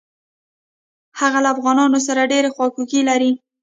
هغه له افغانانو سره ډېره خواخوږي لري.